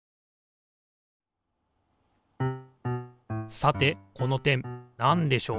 さてこの点なんでしょう？